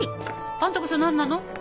あんたこそ何なの？